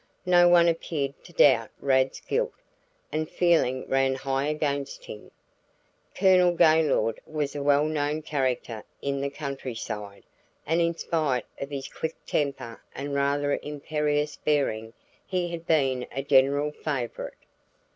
No one appeared to doubt Rad's guilt, and feeling ran high against him. Colonel Gaylord was a well known character in the countryside, and in spite of his quick temper and rather imperious bearing he had been a general favorite.